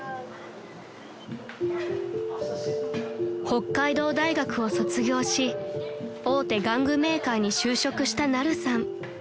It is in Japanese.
［北海道大学を卒業し大手玩具メーカーに就職したナルさん］